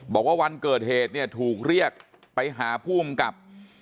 บอกว่าวันเกิดเหตุเนี่ยถูกเรียกไปหาผู้กำกับ